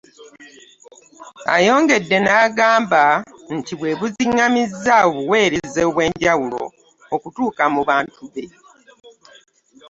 Ayongedde n'agamba nti bwe buzingamizza obuweereza obwenjawulo okutuuka mu bantu be.